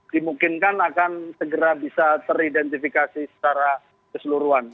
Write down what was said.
dimungkinkan akan segera bisa teridentifikasi secara keseluruhan